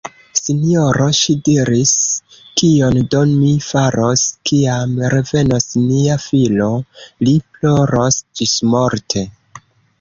Sinjoro! ŝi diris, kion do mi faros, kiam revenos nia filo? Li ploros ĝismorte.